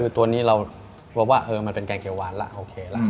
คือตัวนี้เราพบว่ามันเป็นแกงเขียวหวานละโอเคละ